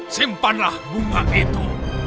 simpanlah bunga itu